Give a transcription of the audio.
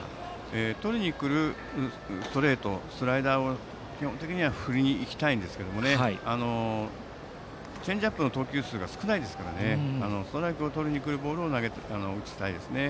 取りに来るストレートやスライダーを基本的には振りに行きたいんですけどチェンジアップの投球数が少ないですからストライクをとりにくるボールを打ちたいですね。